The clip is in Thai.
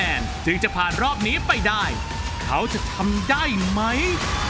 เหล่าถือผ่านรอบนี้ไปได้เขาจะทำได้ไหม